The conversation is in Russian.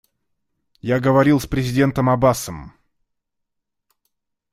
Я говорил с президентом Аббасом.